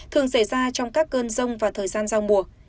thường xảy ra trong các cơn rông và thời gian giao mùa